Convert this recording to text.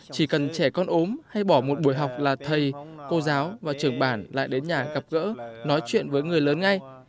chỉ cần trẻ con ốm hay bỏ một buổi học là thầy cô giáo và trưởng bản lại đến nhà gặp gỡ nói chuyện với người lớn ngay